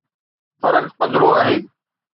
فرق پڌرو آهي.